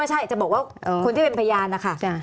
ไม่ใช่จะบอกว่าคนที่เป็นภรรยานะคะ